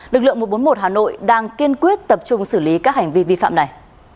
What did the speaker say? lực lượng một trăm bốn mươi một hà nội đang kiên quyết tập trung xử lý các hành vi vi phạm này